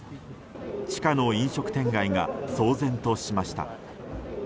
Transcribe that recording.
地下の飲食店街が騒然としました。